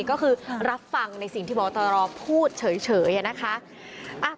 ก็คือรับฟังในสิ่งที่หมอตรอพูดเฉยอย่างนี้นะคะ